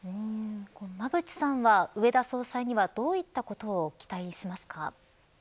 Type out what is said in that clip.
馬渕さんは、植田総裁にはどういったことを期待しますか。